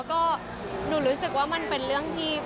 ก็หนูรู้สึกว่ามันเป็นเรื่องที่